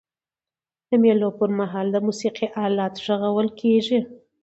د مېلو پر مهال د موسیقۍ آلات ږغول کيږي.